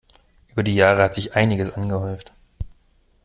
Über die Jahre hat sich einiges angehäuft.